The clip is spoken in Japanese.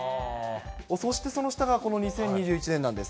そしてその下が、この２０２１年なんです。